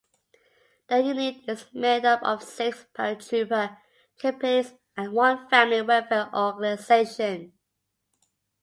The unit is made up of six paratrooper companies and one family welfare organisation.